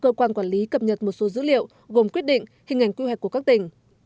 cơ quan quản lý cập nhật một số dữ liệu gồm quyết định hình ảnh quy hoạch của các tỉnh